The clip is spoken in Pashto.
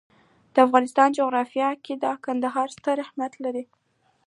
د افغانستان جغرافیه کې کندهار ستر اهمیت لري.